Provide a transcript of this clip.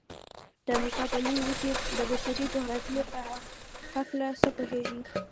د امریکا د لویې وچې د بشري جغرافیې په هلکه څه پوهیږئ؟